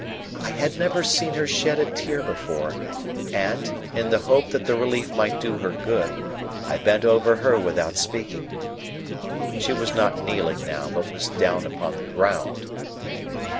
I had never seen her shed a tear before, and, in the hope that the relief might do her good, I bent over her without speaking. She was not kneeling now, but was down upon the ground.